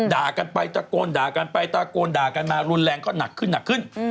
ด่ากันไปตะโกนด่ากันไปตะโกนด่ากันมารุนแรงก็หนักขึ้นหนักขึ้น